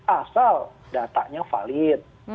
asal datanya valid